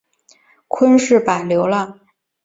昆士柏流浪